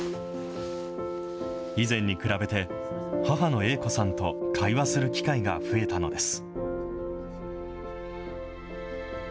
以前に比べて、母の栄子さんと会話する機会が増えたのです。